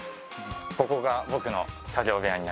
ここが僕の作業部屋になります。